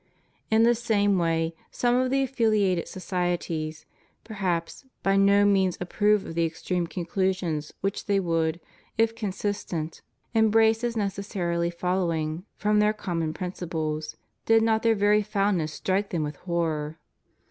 In the same way, some of the affiliated societies, perhaps, by no means approve of the extreme conclusions which they would, if consistent, embrace as necessarily following from their common principles, did not their very fouMess strike them with horror.